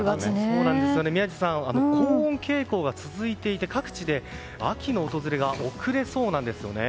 宮司さん、高温傾向が続いていて各地で秋の訪れが遅れそうなんです。